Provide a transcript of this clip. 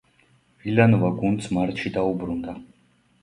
ვილანოვა გუნდს მარტში დაუბრუნდა.